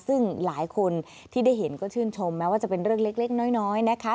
ซึ่งหลายคนที่ได้เห็นก็ชื่นชมแม้ว่าจะเป็นเรื่องเล็กน้อยนะคะ